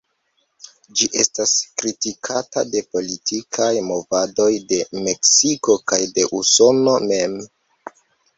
Ĝi estas kritikata de politikaj movadoj de Meksiko kaj de Usono mem.